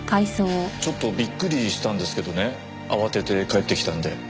ちょっとびっくりしたんですけどね慌てて帰ってきたんで。